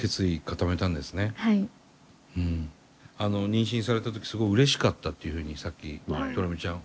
妊娠された時すごいうれしかったっていうふうにさっきドレミちゃん